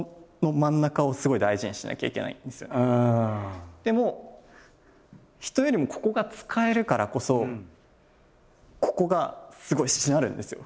だからでも人よりもここが使えるからこそここがすごいしなるんですよ。